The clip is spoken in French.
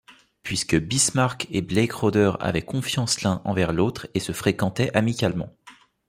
Puisque Bismarck et Bleichröder avaient confiance l'un envers l'autre et se fréquentaient amicalement.